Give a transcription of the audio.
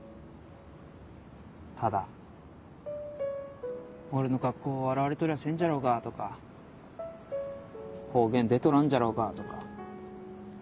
ただ俺の格好笑われとりゃせんじゃろうかとか方言出とらんじゃろうかとか。